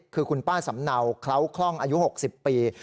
คือคุณป้าสำเนาเคล้าคล่องอายุ๖๐ปี